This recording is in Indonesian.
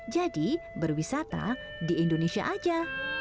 jadi berwisata di indonesia aja